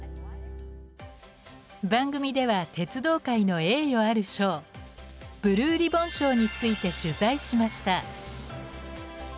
番組では鉄道界の栄誉ある賞ブルーリボン賞について取材しました。